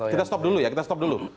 kita stop dulu ya kita stop dulu